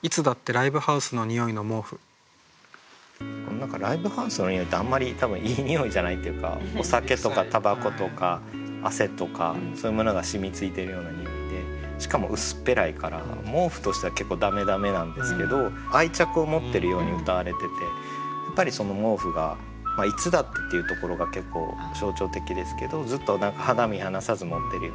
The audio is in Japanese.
何かライブハウスの匂いってあんまり多分いい匂いじゃないっていうかお酒とかたばことか汗とかそういうものが染みついてるような匂いでしかも薄っぺらいから毛布としては結構駄目駄目なんですけど愛着を持ってるようにうたわれててやっぱりその毛布が「いつだって」っていうところが結構象徴的ですけどずっと何か肌身離さず持ってるような。